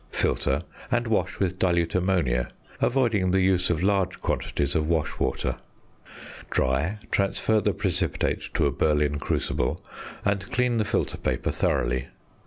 Filter, and wash with dilute ammonia, avoiding the use of large quantities of wash water. Dry, transfer the precipitate to a Berlin crucible, and clean the filter paper thoroughly.